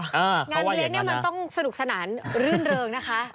เออเขาว่าอย่างนั้นนะงานเลี้ยงนี่มันต้องสนุกสนานเรื่องนะคะ